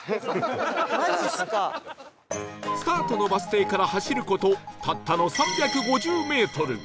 スタートのバス停から走る事たったの３５０メートル